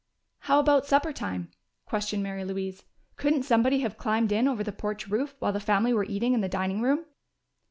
"How about supper time?" questioned Mary Louise. "Couldn't somebody have climbed in over the porch roof while the family were eating in the dining room?"